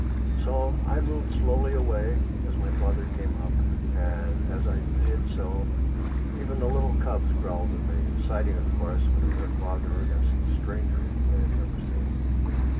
So I moved slowly away as my father came up, and as I did so even the little cubs growled at me, siding, of course, with their father against the stranger whom they had never seen.